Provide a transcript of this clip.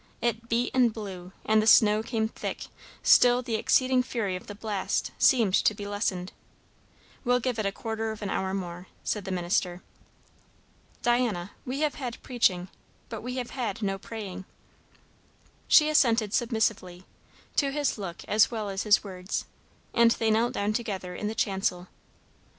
It beat and blew, and the snow came thick; still the exceeding fury of the blast seemed to be lessened. "We'll give it a quarter of an hour more," said the minister. "Diana we have had preaching, but we have had no praying." She assented submissively, to his look as well as his words, and they knelt down together in the chancel.